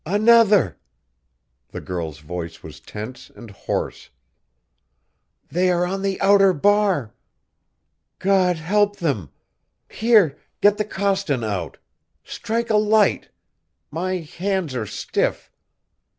"Another!" the girlish voice was tense and hoarse. "They are on the outer bar. God help them! Here, get the Coston out. Strike a light! My hands are stiff.